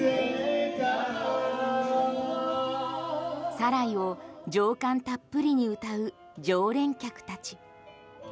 「サライ」を情感たっぷりに歌う常連客たち。